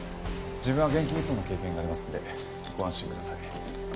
自分は現金輸送の経験がありますのでご安心ください。